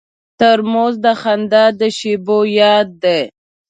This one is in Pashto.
ترموز د خندا د شیبو یاد دی.